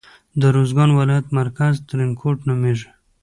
د روزګان ولایت مرکز ترینکوټ نومیږي.